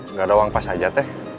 nggak ada uang pas aja teh